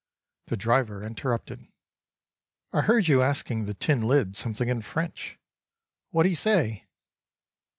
The driver interrupted: "I heard you asking the tin lid something in French. Whadhesay?"